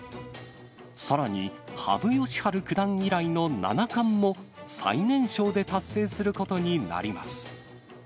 さらに、羽生善治九段以来の七冠も最年少で達成することになります。